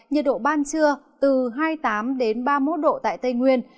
nhiệt độ ban trưa từ hai mươi tám ba mươi một độ tại tây nguyên